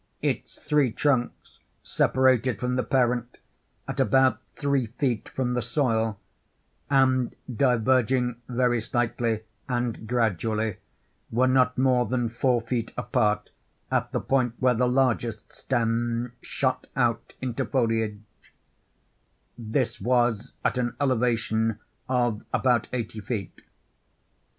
Its three trunks separated from the parent at about three feet from the soil, and diverging very slightly and gradually, were not more than four feet apart at the point where the largest stem shot out into foliage: this was at an elevation of about eighty feet.